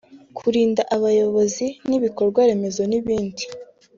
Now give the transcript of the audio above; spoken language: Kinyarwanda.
kurinda abayobozi n’ibikorwaremezo n’ibindi